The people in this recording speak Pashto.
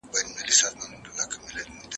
د سرچینې تایید مهم دی.